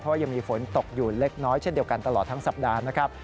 เพราะว่ายังมีฝนตกอยู่เล็กน้อยเช่นเดียวกันตลอดทั้งสัปดาห์นะครับ